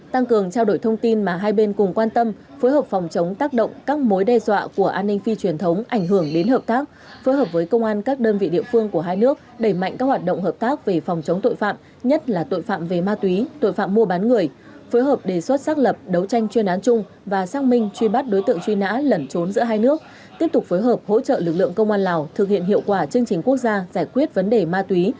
tăng cường trao đổi thông tin mà hai bên cùng quan tâm phối hợp phòng chống tác động các mối đe dọa của an ninh phi truyền thống ảnh hưởng đến hợp tác phối hợp với công an các đơn vị địa phương của hai nước đẩy mạnh các hoạt động hợp tác về phòng chống tội phạm nhất là tội phạm về ma túy tội phạm mua bán người phối hợp đề xuất xác lập đấu tranh chuyên án chung và xác minh truy bắt đối tượng truy nã lẩn trốn giữa hai nước tiếp tục phối hợp hỗ trợ lực lượng công an lào thực hiện hiệu quả chương trình quốc gia giải quyết vấn đề ma tú